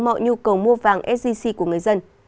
mọi nhu cầu mua vàng sgc của người dân